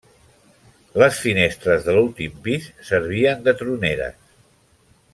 Les finestres de l'últim pis servien de troneres.